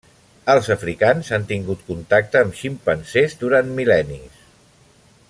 Els africans han tingut contacte amb ximpanzés durant mil·lennis.